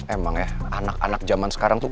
emang ya anak anak zaman sekarang tuh